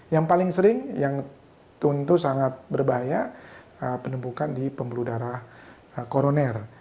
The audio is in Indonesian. yang paling sering yang tentu sangat berbahaya penumpukan di pembuluh darah koroner